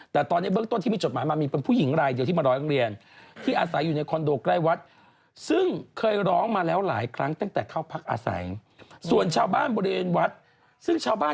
แต่ตอนนี้เบื้องต้นที่มีจดหมายมามีเป็นผู้หญิงรายเดียวที่มาร้องเรียน